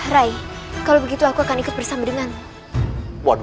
rai kalau begitu aku akan ikut bersama denganmu